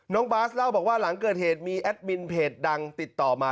น้องบาสเล่าบอกว่าหลังเกิดเหตุมีแอดมินเพจดังติดต่อมา